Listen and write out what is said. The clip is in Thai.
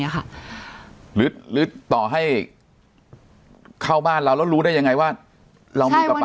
ค่ะหรือต่อให้เข้าบ้านเราแล้วรู้ได้ยังไงว่าเรามีกระเป๋า